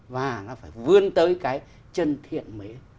và nó phải vươn tới cái chân thiện mế